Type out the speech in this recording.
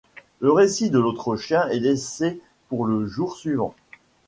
Le récit de l'autre chien est laissé pour le jour suivant.